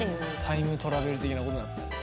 タイムトラベル的なことなんですかね。